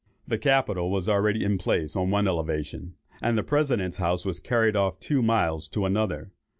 The Capitol was already placed on one elevation, and the President's House carried off two miles to another.